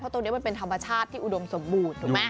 ตรงนี้มันเป็นธรรมชาติที่อุดมสมบูรณ์ถูกไหม